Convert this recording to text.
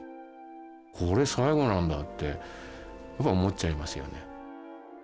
これ最後なんだってやっぱ思っちゃいますよね。